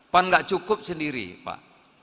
pak gak cukup sendiri pak